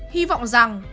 hy vọng rằng